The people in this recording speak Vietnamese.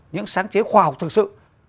những sáng chế khoa học thực sự